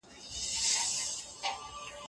ځوانان به د تېرو پېښو له ابهامه ځان خلاص کړي.